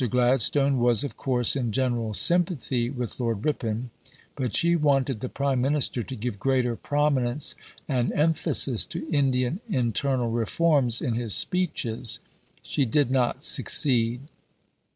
Gladstone was, of course, in general sympathy with Lord Ripon, but she wanted the Prime Minister to give greater prominence and emphasis to Indian internal reforms in his speeches. She did not succeed.